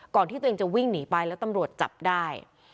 ที่ตัวเองจะวิ่งหนีไปแล้วตำรวจจับได้